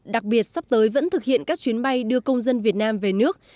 đặc biệt sắp tới vẫn thực hiện các chuyến bay đưa công dân việt nam về nước